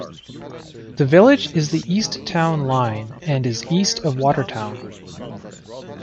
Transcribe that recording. The village is the east town line, and is east of Watertown.